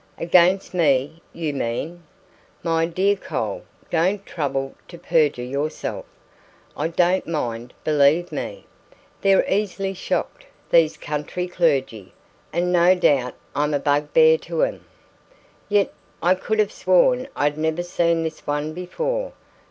"Against me, you mean? My dear Cole, don't trouble to perjure yourself. I don't mind, believe me. They're easily shocked, these country clergy, and no doubt I'm a bugbear to 'em. Yet, I could have sworn I'd never seen this one before.